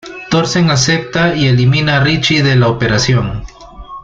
Thorsen acepta y elimina a Richie de la operación.